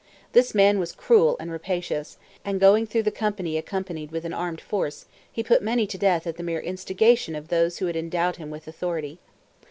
This man was cruel and rapacious; and going through the country accompanied with an armed force, he put many to death at the mere instigation of those who had endowed him with authority.